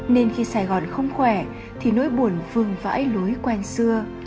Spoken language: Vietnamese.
nên khi sài gòn không khỏe thì nỗi buồn phương vãi lối quen xưa